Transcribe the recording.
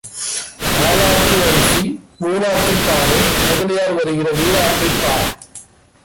ஆழாக்கு அரிசி, மூழாக்குப் பானை, முதலியார் வருகிற வீறாப்பைப் பார்.